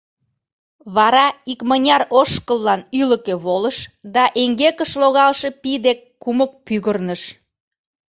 Вара икмыняр ошкыллан ӱлыкӧ волыш да эҥгекыш логалше пий дек кумык пӱгырныш.